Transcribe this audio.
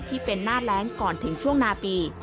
ที่เป็นหน้าแรงก่อนถึงช่วงนาปี